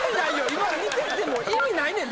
今見てても意味ないねんで。